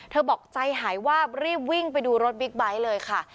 บอกใจหายวาบรีบวิ่งไปดูรถบิ๊กไบท์เลยค่ะ